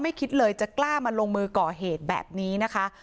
คิดเลยจะกล้ามาลงมือก่อเหตุแบบนี้นะคะ